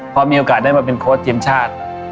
พอมีโอกาสได้มาเป็นโค้ชทีมชาติ